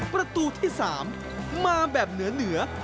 ประตูที่๓มาแบบเหนือ